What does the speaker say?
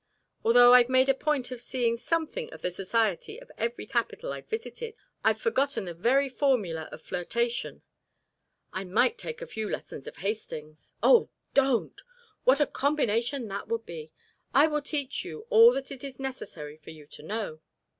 Although I've made a point of seeing something of the society of every capital I've visited, I've forgotten the very formula of flirtation. I might take a few lessons of Hastings " "Oh, don't! What a combination that would be! I will teach you all that it is necessary for you to know."